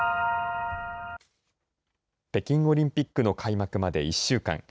北京オリンピックの開幕まで１週間。